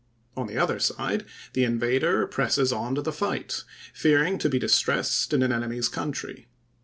On the other side, the invader presses on to the fight, fearing to be distressed in an enemy's country.